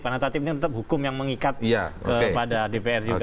karena tatip ini tetap hukum yang mengikat kepada dpr juga